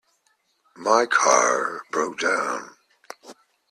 My car broke down.